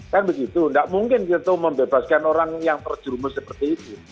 kan begitu nggak mungkin gitu membebaskan orang yang terjumlah seperti itu